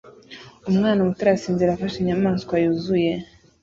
Umwana muto arasinzira afashe inyamaswa yuzuye